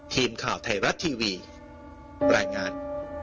ทีมข่าวไทยรัตน์ทีวีแปลงาน